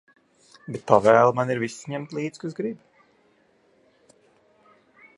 Bet pavēle man ir visus ņemt līdzi, kas grib.